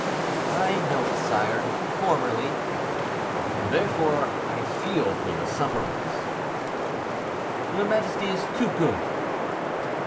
"I know it, sire, formerly." "Therefore, I feel for your sufferings." "Your majesty is too good."